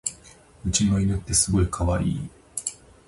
うちの犬ってすごいかわいい